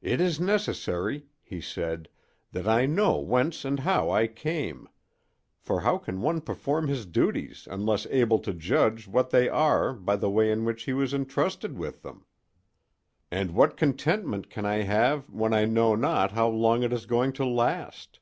"It is necessary," he said, "that I know whence and how I came; for how can one perform his duties unless able to judge what they are by the way in which he was intrusted with them? And what contentment can I have when I know not how long it is going to last?